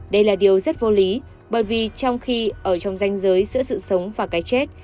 đây là điều rất vô lý bởi vì trong khi ở trong danh giới giữa sự sống và cái chết